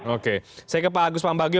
oke saya ke pak agus pambagi